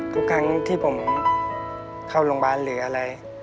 ทุกครั้งที่ผมเข้าโรงพยาบาลหรืออะไร